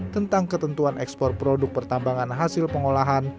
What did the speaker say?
tentang ketentuan ekspor produk pertambangan hasil pengolahan